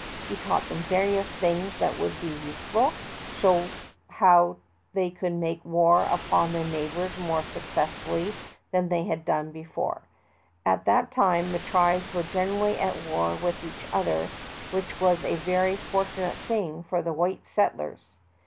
He taught them various things that were useful, and showed how they could make war upon their neighbors more suc cessfully than they had done before. At that time the tribes were generally at war with each other, which was a very fortunate thing for the white settlers.